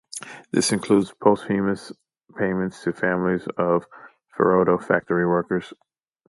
This includes posthumous payments to families of Ferodo factory workers.